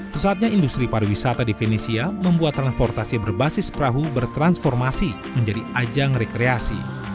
pesatnya industri pariwisata di venesia membuat transportasi berbasis perahu bertransformasi menjadi ajang rekreasi